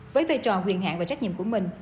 với vai trò quyền hạn và trách nhiệm của mình